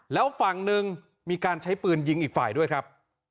แล้วฝั่งหนึ่งมีการใช้ปืนยิงอีกฝ่ายด้วยครับ